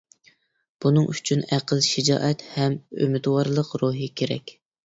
بۇنىڭ ئۈچۈن ئەقىل، شىجائەت ھەم ئۈمىدۋارلىق روھى كېرەك.